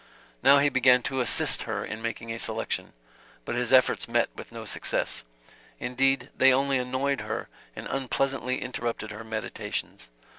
Now he began to "assist" her in making a selection; but his efforts met with no success indeed they only annoyed her and unpleasantly interrupted her meditations.